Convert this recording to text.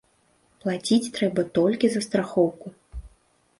Плаціць трэба толькі за страхоўку.